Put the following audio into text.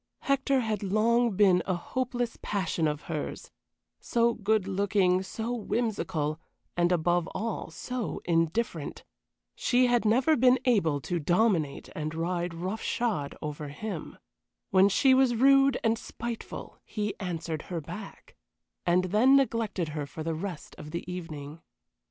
Hector had long been a hopeless passion of hers so good looking, so whimsical, and, above all, so indifferent! She had never been able to dominate and ride rough shod ever him. When she was rude and spiteful he answered her back, and then neglected her for the rest of the evening.